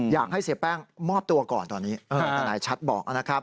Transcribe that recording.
อยากให้เสียแป้งมอบตัวก่อนตอนนี้ทนายชัดบอกนะครับ